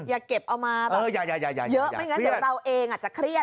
อย่าเก็บเอามาแบบเยอะไม่งั้นเดี๋ยวเราเองอาจจะเครียด